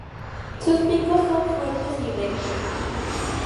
Sus picos son fuertes y rectos.